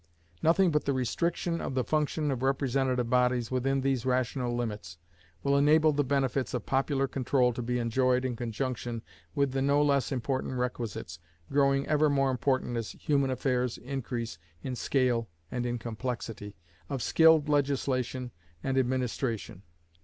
Nothing but the restriction of the function of representative bodies within these rational limits will enable the benefits of popular control to be enjoyed in conjunction with the no less important requisites (growing ever more important as human affairs increase in scale and in complexity) of skilled legislation and administration.